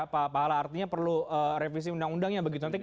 pak pahala artinya perlu revisi undang undangnya begitu